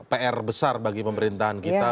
pr besar bagi pemerintahan kita